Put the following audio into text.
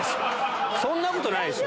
そんなことないでしょ。